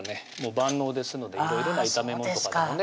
万能ですのでいろいろな炒め物とかでもね